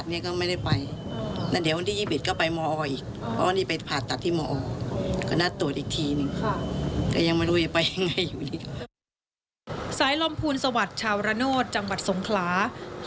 สายล้อมพูลสวรรค์ชาวระโนธจังหวัดสงขลาย